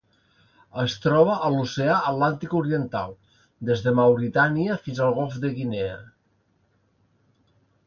Es troba a l'Oceà Atlàntic oriental: des de Mauritània fins al Golf de Guinea.